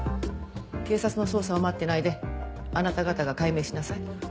警察の捜査を待ってないであなた方が解明しなさい。